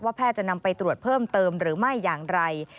แพทย์จะนำไปตรวจเพิ่มเติมหรือไม่อย่างไร